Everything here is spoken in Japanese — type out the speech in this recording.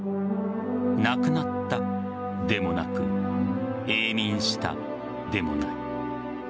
亡くなったでもなく永眠したでもない。